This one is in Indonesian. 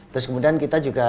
terus kemudian kita juga